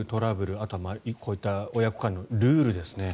あと、こういった親子間のルールですね。